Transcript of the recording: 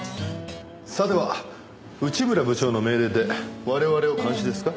さては内村部長の命令で我々を監視ですか？